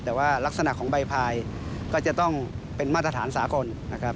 แต่ว่ารักษณะของใบพายก็จะต้องเป็นมาตรฐานสากลนะครับ